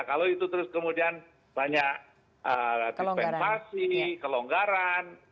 kalau itu terus kemudian banyak dispensasi kelonggaran